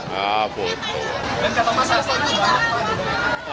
dan kata mas hasto juga